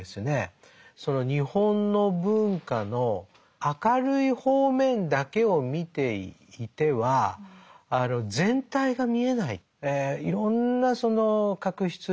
日本の文化の明るい方面だけを見ていては全体が見えない。